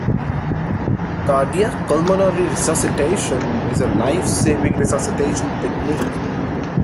Cardiac Pulmonary Resuscitation is a life-saving resuscitation technique.